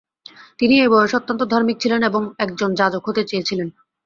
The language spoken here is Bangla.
তিনি এই বয়সে অত্যন্ত ধার্মিক ছিলেন এবং একজন যাজক হতে চেয়েছিলেন।